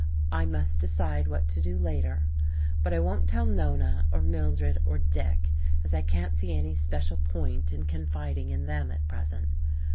"I must decide what to do later. But I won't tell Nona, or Mildred, or Dick, as I can't see any special point in confiding in them at present.